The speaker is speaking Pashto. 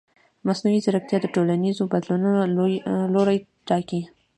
مصنوعي ځیرکتیا د ټولنیزو بدلونونو لوری ټاکي.